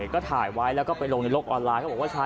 ก็แค่มีเรื่องเดียวให้มันพอแค่นี้เถอะ